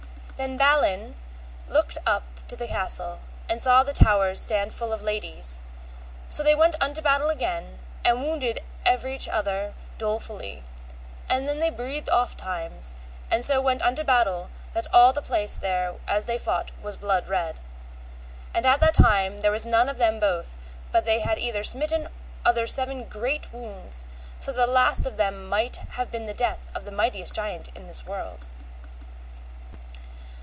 Then Balin looked up to the castle and saw the towers stand full of ladies. So they went unto battle again, and wounded everych other dolefully, and then they breathed ofttimes, and so went unto battle that all the place there as they fought was blood red. And at that time there was none of them both but they had either smitten other seven great wounds, so that the least of them might have been the death of the mightiest giant in this world.